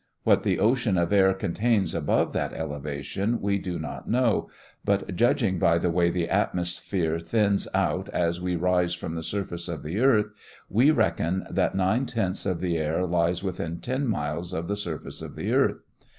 What the ocean of air contains above that elevation, we do not know, but judging by the way the atmosphere thins out as we rise from the surface of the earth, we reckon that nine tenths of the air lies within ten miles of the surface of the earth.